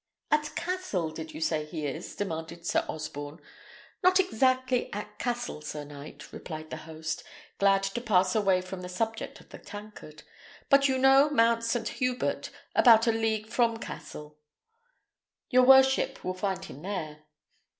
"At Cassel did you say he is?" demanded Sir Osborne. "Not exactly at Cassel, sir knight," replied the host, glad to pass away from the subject of the tankard; "but you know Mount St. Hubert, about a league from Cassel. Your worship will find him there."